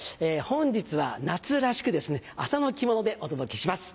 本日は夏らしく麻の着物でお届けします。